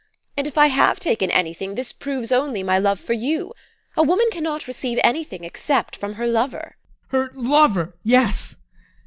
And if I have taken anything, this proves only my love for you. A woman cannot receive anything except from her lover. ADOLPH. Her lover, yes!